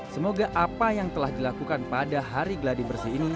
semoga apa yang telah dilakukan pada hari gladibersih